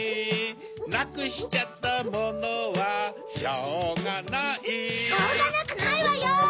なくしちゃったものはショウガナイしょうがなくないわよ！